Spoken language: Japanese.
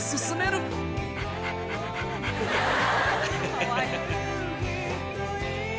かわいい。